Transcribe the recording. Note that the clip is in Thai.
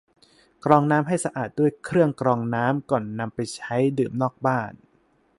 กรองน้ำให้สะอาดด้วยเครื่องกรองน้ำก่อนนำไปใช้ดื่มนอกบ้าน